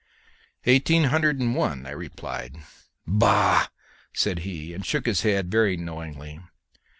"Eighteen hundred and one," I replied. "Bah!" said he, and shook his head very knowingly.